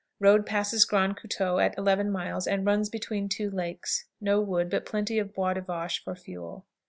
Road passes Grand Coteau at 11 miles, and runs between two lakes. No wood, but plenty of "bois de vache" for fuel.